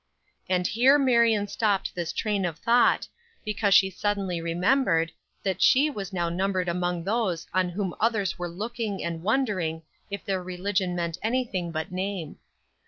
And here Marion stopped this train of thought, because she suddenly remembered that she was now numbered among those on whom others were looking and wondering if their religion meant anything but name.